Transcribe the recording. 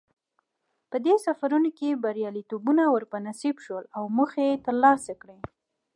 په دې سفرونو کې بریالیتوبونه ور په نصیب شول او موخې یې ترلاسه کړې.